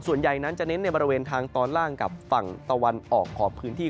ส่วนใหญ่นั้นจะเน้นในบริเวณทางตอนล่างกับฝั่งตะวันออกของพื้นที่